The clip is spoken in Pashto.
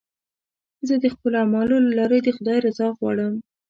زه د خپلو اعمالو له لارې د خدای رضا غواړم.